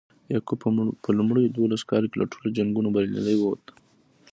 یعقوب په لومړیو دولسو کالو کې له ټولو جنګونو بریالی ووت.